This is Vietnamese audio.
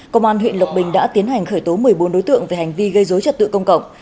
công an huyện lộc bình đã tiến hành khởi tố một mươi bốn đối tượng về hành vi gây dối trật tự công cộng